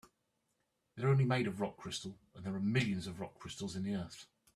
They're only made of rock crystal, and there are millions of rock crystals in the earth.